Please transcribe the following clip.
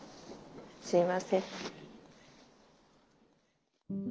すいません。